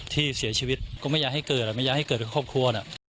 ที่เสียชีวิตก็ไม่อยากให้เกิดไม่อยากให้เกิดเป็นครอบครัวน่ะ